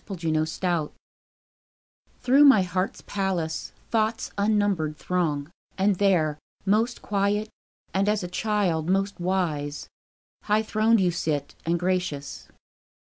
Day and Night Through my heart's palace Thoughts unnumbered throng; And there, most quiet and, as a child, most wise, High throned you sit, and gracious.